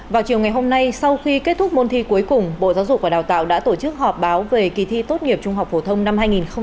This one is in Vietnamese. vào chiều ngày hôm nay sau khi kết thúc môn thi cuối cùng bộ giáo dục và đào tạo đã tổ chức họp báo về kỳ thi tốt nghiệp trung học phổ thông năm hai nghìn hai mươi